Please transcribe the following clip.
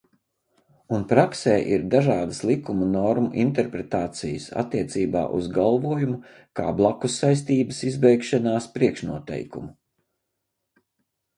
Un praksē ir dažādas likuma normu interpretācijas attiecībā uz galvojumu kā blakussaistības izbeigšanās priekšnoteikumu.